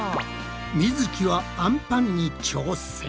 みづきはあんぱんに挑戦。